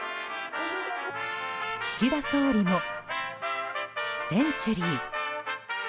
岸田総理も、センチュリー。